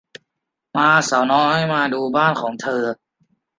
มา สาวน้อย มาดูบ้านของเธอ